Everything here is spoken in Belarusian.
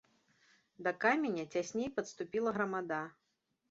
Да каменя цясней падступіла грамада.